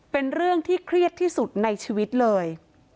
เป็นเรื่องที่เครียดที่สุดในชีวิตเลย